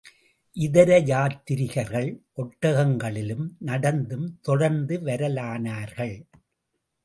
இதர யாத்திரிகர்கள் ஒட்டகங்களிலும், நடந்தும் தொடர்ந்து வரலானார்கள்.